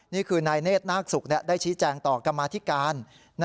นี่คือนายเนธนาคศุกร์ได้ชี้แจงต่อกรรมาธิการ